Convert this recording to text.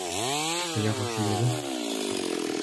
Les Roches-l'Évêque